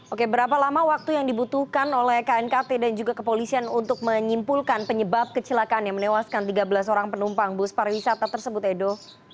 oke berapa lama waktu yang dibutuhkan oleh knkt dan juga kepolisian untuk menyimpulkan penyebab kecelakaan yang menewaskan tiga belas orang penumpang bus pariwisata tersebut edo